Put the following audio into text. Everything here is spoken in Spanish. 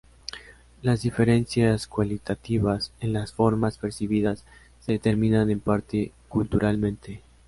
Las diferencias cualitativas, en las formas percibidas, se determinan en parte culturalmente.